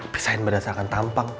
pisahin berdasarkan tampang